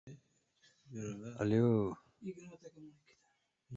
— Sevgida uchta tinish belgisi bo‘ladi: undov, ko‘p nuqta va nuqta.